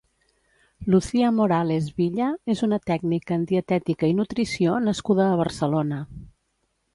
Lucía Morales Villa és una tècnica en Dietètica i Nutrició nascuda a Barcelona.